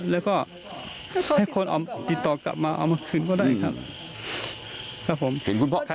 แล้วก็ให้คนติดต่อกลับมาเอามาคืนก็ได้ครับ